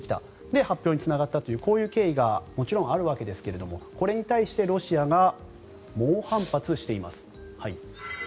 で、発表につながったというこういう経緯がもちろんあるわけですがこれに対してロシアが猛反発しています。